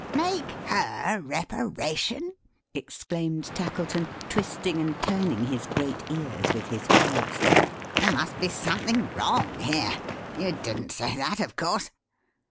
"Make her reparation!" exclaimed Tackleton, twisting and turning his great ears with his hands. "There must be something wrong here. You didn't say that, of course."